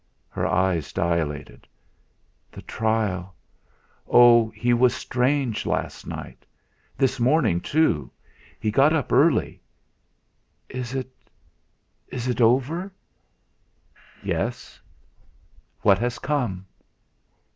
Her eyes dilated. "The trial! Oh! He was strange last night. This morning, too, he got up early. Is it is it over?" "Yes." "What has come?"